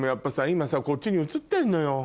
今こっちに映ってんのよ。